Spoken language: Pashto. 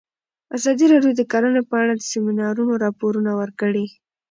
ازادي راډیو د کرهنه په اړه د سیمینارونو راپورونه ورکړي.